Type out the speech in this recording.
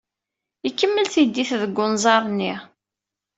Ikemmel tiddit deg unẓar-nni.